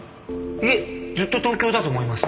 いえずっと東京だと思います。